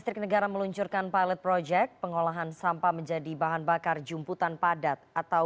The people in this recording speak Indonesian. jalannya peluncuran pilot proyek pengolahan sampah menjadi bahan bakar jumputan padat